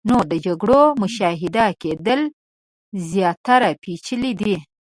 نو د جګړو مشاهده کېدل زیاتره پیچلې دي.